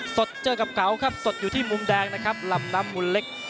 สดเจอกับเก๋าครับสดอยู่ที่มุมแดงนะครับลำน้ำมุนเล็ก